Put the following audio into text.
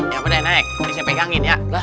ya budaya naik ini saya pegangin ya